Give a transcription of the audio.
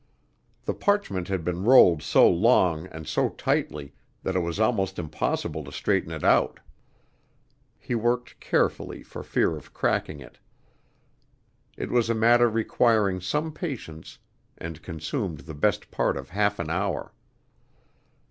The parchment had been rolled so long and so tightly that it was almost impossible to straighten it out. He worked carefully for fear of cracking it. It was a matter requiring some patience, and consumed the best part of half an hour.